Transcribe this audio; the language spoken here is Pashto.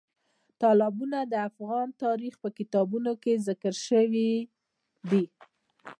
تالابونه د افغان تاریخ په کتابونو کې ذکر شوي دي.